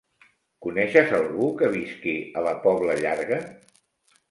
Coneixes algú que visqui a la Pobla Llarga?